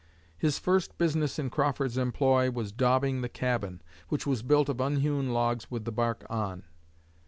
His first business in Crawford's employ was daubing the cabin, which was built of unhewn logs with the bark on.